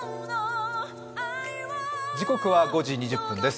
時刻は５時２０分です。